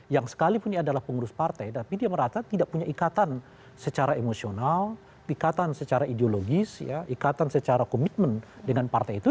yang sekalipun dia adalah pengurus partai tapi dia merata tidak punya ikatan secara emosional ikatan secara ideologis ya ikatan secara komitmen dengan partai itu